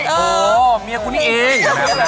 โหเมียคุณนี้เอง